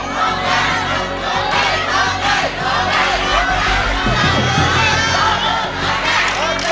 โหเด้ยโหเด้ย